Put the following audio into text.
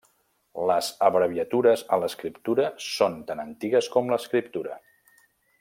Les abreviatures a l'escriptura són tan antigues com l'escriptura.